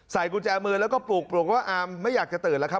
กุญแจมือแล้วก็ปลูกว่าอามไม่อยากจะตื่นแล้วครับ